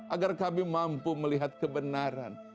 agar kami mampu melihat kebenaran